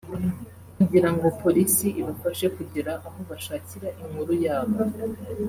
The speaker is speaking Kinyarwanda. kugirango Polisi ibafashe kugera aho bashakira inkuru yabo